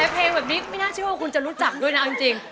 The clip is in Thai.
เพลงแบบนี้ไม่น่าเชื่อว่าคุณจะรู้จักด้วยนะเอาจริง